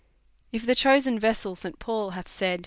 If the chosen vessel St. Paul hath said.